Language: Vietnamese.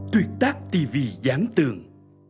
tuyệt tác tv giám tường